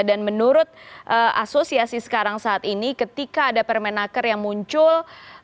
dan menurut asosiasi sekarang saat ini ketika ada permenaker yang muncul